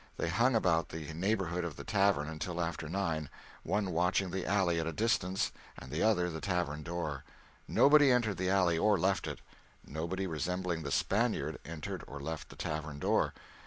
They hung about the neighborhood of the tavern until after nine, one watching the alley at a distance and the other the tavern door. Nobody entered the alley or left it; nobody resembling the Spaniard entered or left the tavern door.